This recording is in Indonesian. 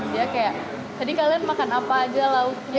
dia kayak tadi kalian makan apa aja lauknya